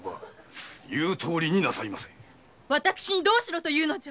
私にどうしろと申すのじゃ？